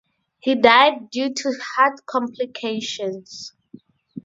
He died due to heart complications.